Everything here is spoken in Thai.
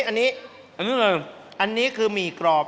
อันนี้นี่คือหมี่กรอบ